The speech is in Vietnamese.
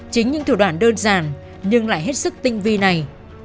chính những thủ đoạn đơn giản nhưng lại hết sức tinh vi này